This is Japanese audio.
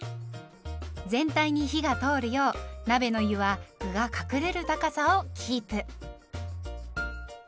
全体に火が通るよう鍋の湯は具が隠れる高さをキープ。